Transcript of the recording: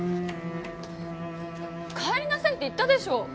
帰りなさいって言ったでしょ。